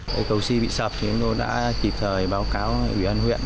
cây cầu si bị sập chúng tôi đã kịp thời báo cáo huyện huyện